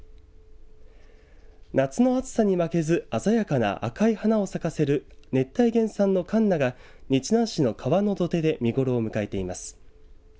夏の暑さに負けず鮮やかな赤い花を咲かせる熱帯原産のカンナが日南市の川の土手で見頃を迎えています。